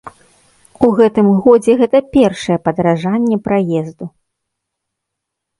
У гэтым годзе гэта першае падаражанне праезду.